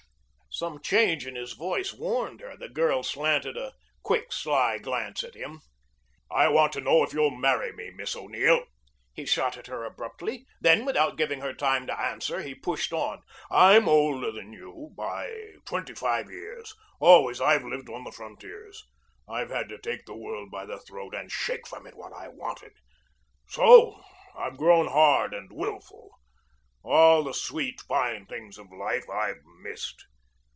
Some change in his voice warned her. The girl slanted a quick, shy glance at him. "I want to know if you'll marry me, Miss O'Neill," he shot at her abruptly. Then, without giving her time to answer, he pushed on: "I'm older than you by twenty five years. Always I've lived on the frontiers. I've had to take the world by the throat and shake from it what I wanted. So I've grown hard and willful. All the sweet, fine things of life I've missed.